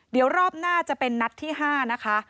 เดี๋ยวรอบหน้าจะเป็นนัดที่๕นะคะ